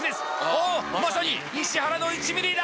おまさに石原の１ミリだ！